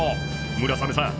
村雨さん